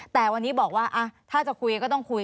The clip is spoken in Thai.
แต่วันนี้บอกว่าถ้าจะคุยก็ต้องคุย